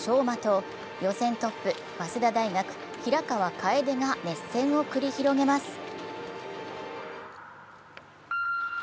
馬と予選トップ、早稲田大学・平河楓が熱戦を繰り広げます。